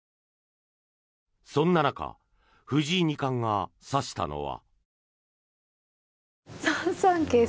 そんな中、藤井二冠が指したのは。